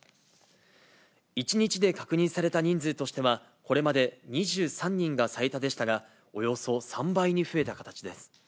１日で確認された人数としてはこれまで２３人が最多でしたが、およそ３倍に増えた形です。